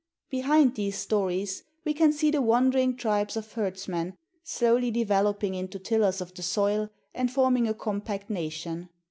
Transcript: Behind these stories we can see the wandering tribes of herdsmen slowly developing into tillers of the soil and form ing a compact nation.